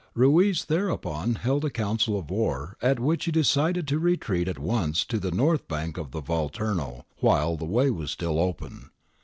Ruiz thereupon held a Council of War at which he de cided to retreat at once to the north bank of the Volturno, while the way was still open.